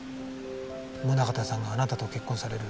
宗形さんがあなたと結婚される